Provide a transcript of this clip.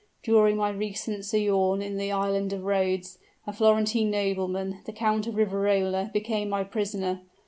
During my recent sojourn in the island of Rhodes, a Florentine nobleman, the Count of Riverola, became my prisoner.